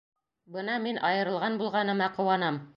Бына мин айырылған булғаныма ҡыуанам.